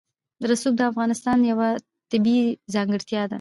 رسوب د افغانستان یوه طبیعي ځانګړتیا ده.